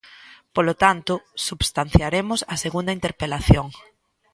Polo tanto, substanciaremos a segunda interpelación.